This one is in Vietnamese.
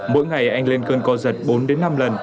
mỗi ngày anh lên cơn co giật bốn đến năm lần